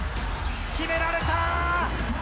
決められた。